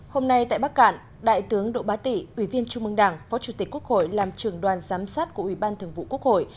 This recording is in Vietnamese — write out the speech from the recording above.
hôm nay tại bắc cạn đại tướng độ bá tị ủy viên trung mương đảng phó chủ tịch quốc hội làm trường đoàn giám sát của ủy ban thường vụ quốc hội